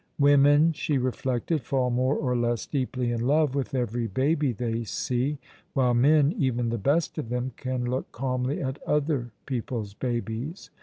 Women, she reflected, fall more or less deeply in love with every baby they see, while men, even the best of them, can look calmly at other people's babies.